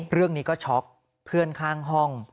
เรื่องนี้ก็ช็อกเพื่อนข้างห้อง